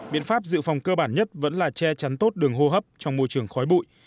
biện pháp dự phòng cơ bản nhất vẫn là che chắn tốt đường hô hấp trong môi trường khói bụi